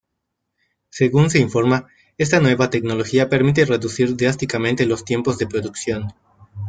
Según se informa, esta nueva tecnología permite reducir drásticamente los tiempos de producción.